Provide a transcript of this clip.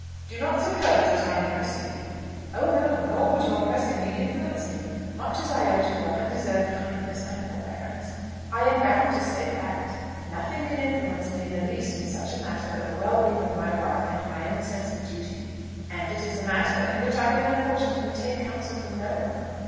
"Do not suppose that I am pressing you." "Oh no; nor would your pressing me influence me. Much as I owe to your undeserved kindness and forbearance, I am bound to say that. Nothing can influence me in the least in such a matter but the well being of my wife, and my own sense of duty. And it is a matter in which I can unfortunately take counsel from no one.